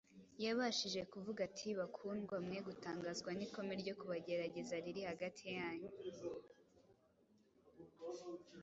yabashije kuvuga ati, “bakundwa, mwe gutangazwa n’ikome ryo kubagerageza riri hagati yanyu,